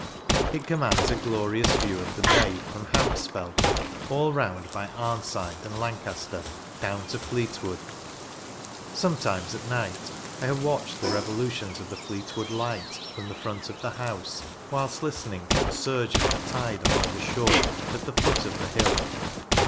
It commands a glorious view of the bay, from Hampsfell, all round by Arnside and Lancaster, down to Fleetwood. Sometimes, at night, I have watched the revolutions of the Fleet wood light, from the front of the house, whilst listening to the 6urge of the tide along the shore, at the foot of the hill.